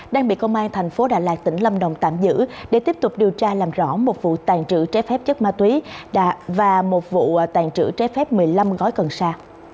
đang bị công an thành phố đà lạt tỉnh lâm đồng tạm giữ để tiếp tục điều tra làm rõ một vụ tàn trữ trái phép chất ma túy và một vụ tàn trữ trái phép một mươi năm gói cần sa